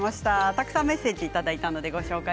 たくさんメッセージをいただきました。